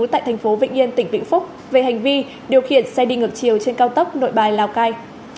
tại thành phố vĩnh yên tỉnh vĩnh phúc về hành vi điều khiển xe đi ngược chiều trên cao tốc nội bài lào cai